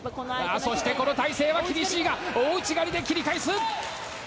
そしてこの体勢は厳しいが、大内刈りで切り返す。